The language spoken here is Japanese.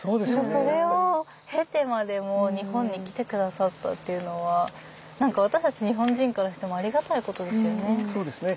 それを経てまでも日本に来て下さったっていうのは何か私たち日本人からしてもありがたいことですよね。